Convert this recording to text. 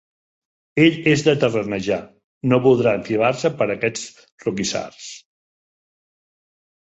Ell és de terrenejar: no voldrà enfilar-se per aquests roquissars.